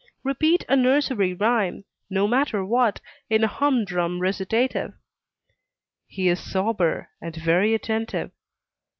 Repeat a nursery rhyme, no matter what, in a humdrum recitative; he is sober, and very attentive.